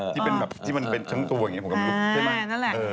ที่เป็นแบบทั้งตัวอย่างนี้ผมก็ไม่รู้